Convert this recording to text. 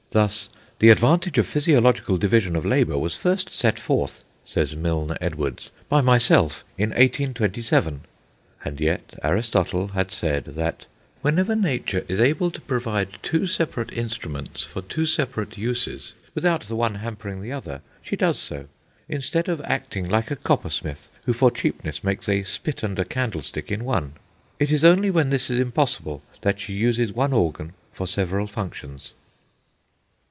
Thus "the advantage of physiological division of labour was first set forth," says Milne Edwards, "by myself in 1827;" and yet Aristotle had said that "whenever Nature is able to provide two separate instruments for two separate uses, without the one hampering the other, she does so, instead of acting like a coppersmith, who for cheapness makes a spit and a candlestick in one. It is only when this is impossible that she uses one organ for several functions."